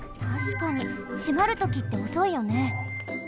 たしかに閉まるときっておそいよね。